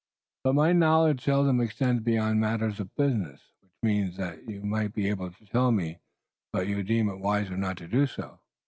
But my knowledge seldom extends beyond matters of business." "Which means that you might be able to tell me, but you deem it wiser not to do so."